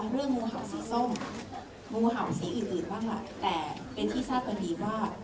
งูเห่าสีส้มงูเห่าสีอื่นอื่นบ้างล่ะแต่เป็นที่ทราบกันดีว่า